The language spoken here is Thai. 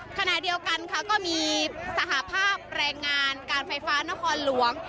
ขณะเดียวกันค่ะก็มีสหภาพแรงงานการไฟฟ้านครหลวง